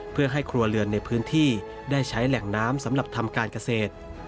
เพื่อให้ครัวเรือนในพื้นที่ได้ใช้แหล่งน้ำสำหรับทำการเกษตร